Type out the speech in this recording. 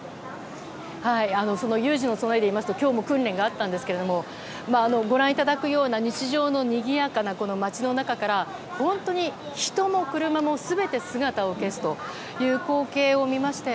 その有事の備えでいいますと今日も訓練があったんですけれどもご覧いただくような日常のにぎやかな街の中から本当に人も車も全て姿を消すという光景を見まして